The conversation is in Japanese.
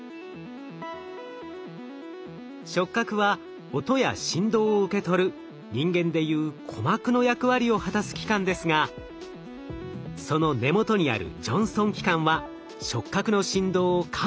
触角は音や振動を受け取る人間でいう鼓膜の役割を果たす器官ですがその根元にあるジョンストン器官は触角の振動を感知します。